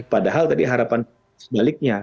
padahal tadi harapan sebaliknya